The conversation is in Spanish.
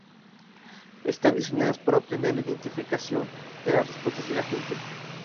Están diseñadas para obtener la identificación de las respuestas de la gente.